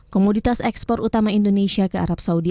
komoditas ekspor utama indonesia ke arab saudi